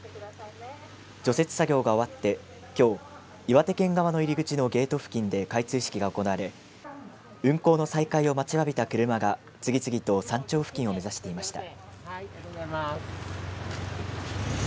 除雪作業が終わってきょう、岩手県側の入り口のゲート付近で開通式が行われ運行の再開を待ちわびた車が次々と山頂付近を目指していました。